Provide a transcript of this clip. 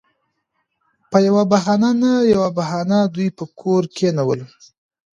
پـه يـوه بهـانـه نـه يـوه بهـانـه دوي پـه کـور کېـنول.